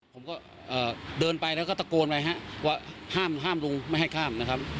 ผมก็เดินไปแล้วก็ตะโกนไปฮะว่าห้ามลุงไม่ให้ข้ามนะครับ